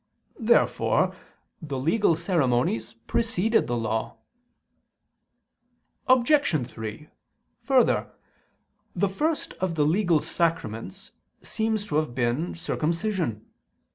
Therefore the legal ceremonies preceded the Law. Obj. 3: Further, the first of the legal sacraments seems to have been circumcision.